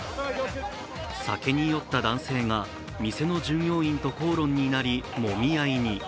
酒に酔った男性が店の従業員と口論になりもみ合いに。